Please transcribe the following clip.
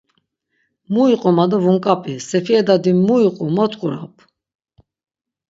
Mu iqu ma do vunk̆api, “Sefiye dadi mu, iqu mot quramp?”